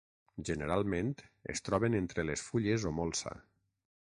Generalment es troben entre les fulles o molsa.